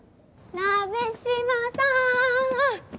鍋島さん。